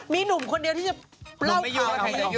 มีหนุ่มคนเดียวที่จะเปล่าข่าว